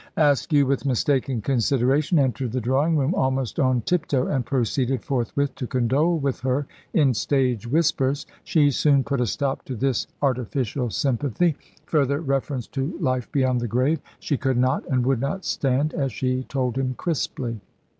Askew, with mistaken consideration, entered the drawing room almost on tiptoe, and proceeded forthwith to condole with her in stage whispers. She soon put a stop to this artificial sympathy. Further reference to life beyond the grave she could not and would not stand, as she told him crisply.